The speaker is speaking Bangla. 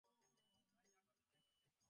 তাই যা করার তাই করতে হয়েছে আমাকে।